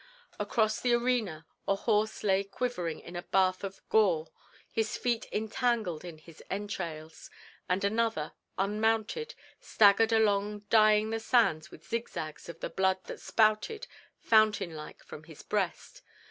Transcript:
Across the arena a horse lay quivering in a bath of gore, his feet entangled in his entrails, and another, unmounted, staggered along dyeing the sand with zigzags of the blood that spouted, fountain like, from his breast.